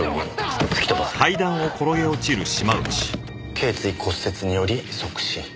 頸椎骨折により即死。